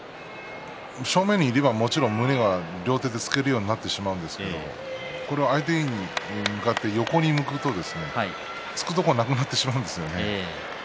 正面にいればもちろん胸を両手でつけるようになってしまうんですけれども相手に向かって横に向くと突くところがなくなってしまうんですよね。